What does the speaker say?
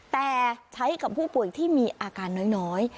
แต่ใช้กับผู้ป่วยที่มีอาการน้อย